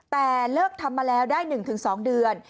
แต่เลิกทำมาแล้วได้๑๒เดือน